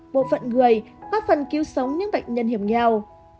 bộ phận người góp phần cứu sống những bệnh nhân hiểm nghèo